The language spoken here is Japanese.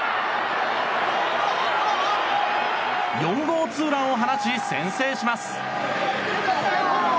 ４号ツーランを放ち先制します。